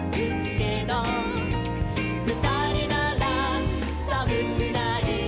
「ふたりならさむくない」